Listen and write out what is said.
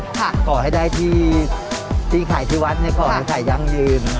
ค่ะขอให้ได้ที่ที่ขายที่วัดขอให้ขายยั่งยืม